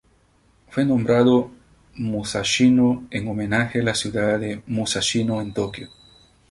Fue nombrado Musashino en homenaje a la ciudad Musashino en Tokio.